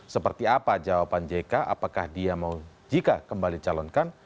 seperti apa jawaban jk apakah dia mau jika kembali calonkan